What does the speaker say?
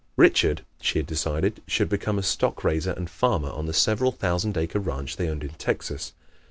Richard, she had decided, should become a stock raiser and farmer on the several thousand acre ranch they owned in Texas.